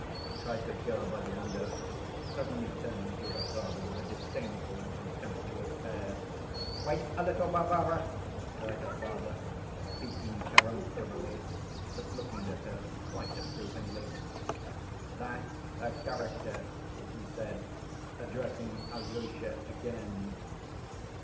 cried the girl by the window, suddenly turning to her father with a disdainful and contemptuous air. "Wait a little, Varvara!" cried her father, speaking peremptorily but looking at her quite approvingly. "That's her character," he said, addressing Alyosha again.